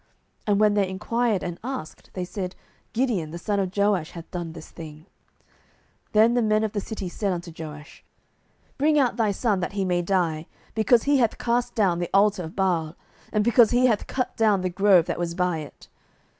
And when they enquired and asked, they said, Gideon the son of Joash hath done this thing. 07:006:030 Then the men of the city said unto Joash, Bring out thy son, that he may die: because he hath cast down the altar of Baal, and because he hath cut down the grove that was by it.